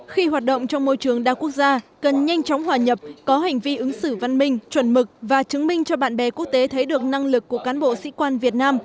khi hoạt động trong môi trường đa quốc gia cần nhanh chóng hòa nhập có hành vi ứng xử văn minh chuẩn mực và chứng minh cho bạn bè quốc tế thấy được năng lực của cán bộ sĩ quan việt nam